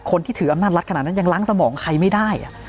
คนที่ถืออำนาจรัฐขนาดนั้นยังล้างสมองใครไม่ได้